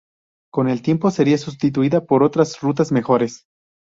Con el tiempo sería sustituida por otras rutas mejores.